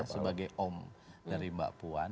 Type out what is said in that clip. sebagai om dari mbak puan